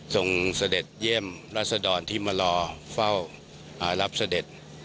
เสด็จเยี่ยมรัศดรที่มารอเฝ้ารับเสด็จ